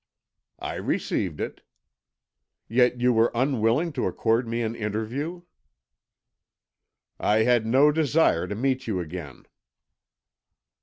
"I received it." "Yet you were unwilling to accord me an interview." "I had no desire to meet you again."